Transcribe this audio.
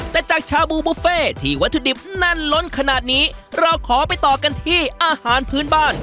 แต่จากชาบูบุฟเฟ่ที่วัตถุดิบแน่นล้นขนาดนี้เราขอไปต่อกันที่อาหารพื้นบ้าน